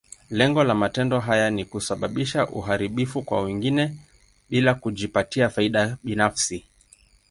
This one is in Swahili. Lengo la matendo haya ni kusababisha uharibifu kwa wengine, bila kujipatia faida binafsi.